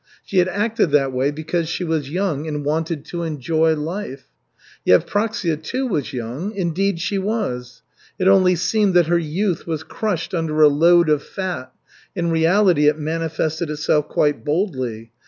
She had acted that way because she was young and wanted to enjoy life. Yevpraksia, too, was young, indeed she was! It only seemed that her youth was crushed under a load of fat, in reality it manifested itself quite boldly.